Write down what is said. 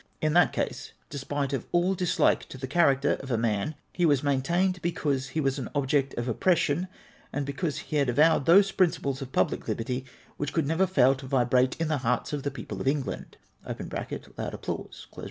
In that case, desj)ite of all dislike to the character of the man, he was maintained because he was an object of oppression, and because he had avowed those principles of public liberty Avhich could never fail to vibrate in the hearts of the people of England {loud applause).